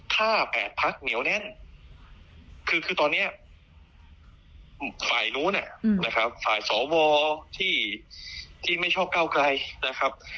ถ้า๘พักเหนียวแน่นคือตอนนี้ฝ่ายนู้นนะครับฝ่ายสวที่ไม่ชอบก้าวไกลนะครับ